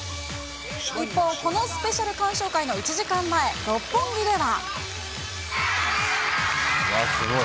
一方、このスペシャル鑑賞会の１時間前、六本木では。